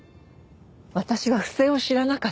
私は不正を知らなかった。